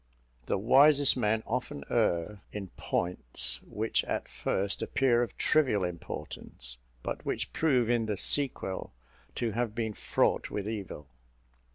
The wisest men often err in points which at first appear of trivial importance, but which prove in the sequel to have been fraught with evil.